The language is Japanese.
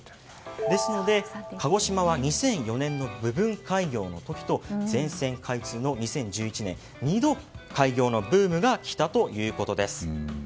ですので鹿児島は２００４年の部分開業の時と全線開通の２０１１年の２度開業のブームが来たということです。